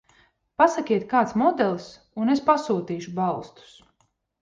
Pasakiet kāds modelis un es pasūtīšu balstus.